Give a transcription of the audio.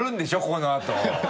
このあと。